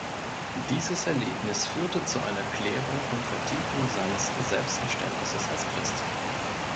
Dieses Erlebnis führte zu einer Klärung und Vertiefung seines Selbstverständnisses als Christ.